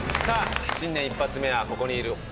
さあ新年一発目はここにいる。